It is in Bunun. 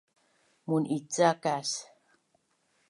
Mun’ica kas